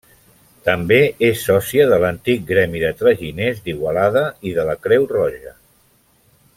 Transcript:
També és sòcia de l'Antic Gremi de Traginers d'Igualada, i de la Creu Roja.